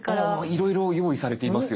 いろいろ用意されていますよね。